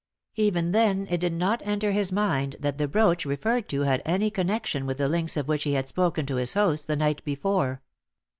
Even then it did not enter his mind that the brooch referred to had any connection with the links of which he had spoken to his host the night, before.